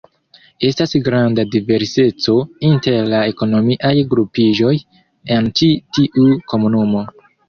Estas granda diverseco inter la ekonomiaj grupiĝoj en ĉi tiu komunumo.